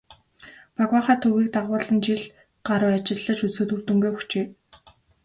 "Багваахай" төвийг байгуулан жил гаруй ажиллаж үзэхэд үр дүнгээ өгчээ.